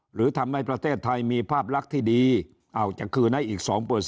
หรือทำให้ประเทศไทยมีภาพลักษณ์ที่ดีจะคืนให้อีก๒